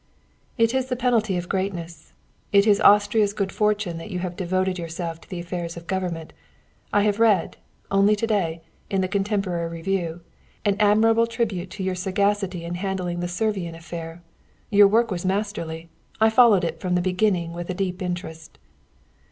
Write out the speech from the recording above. "It is the penalty of greatness. It is Austria's good fortune that you have devoted yourself to the affairs of government. I have read only to day, in the Contemporary Review an admirable tribute to your sagacity in handling the Servian affair. Your work was masterly. I followed it from the beginning with deepest interest."